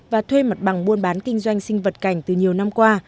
và thuê mặt bằng buôn bán kinh doanh sinh vật cảnh từ nhiều năm qua